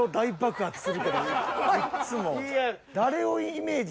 いっつも。